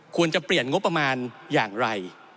ควรจะเปลี่ยนงบประมาณอย่างไร